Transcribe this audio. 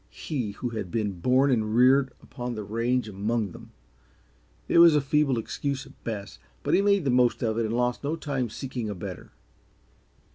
he who had been born and reared upon the range among them! It was a feeble excuse at the best, but he made the most of it and lost no time seeking a better.